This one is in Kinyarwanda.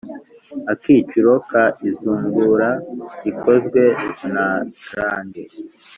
Akiciro ka izungura rikozwe nta rage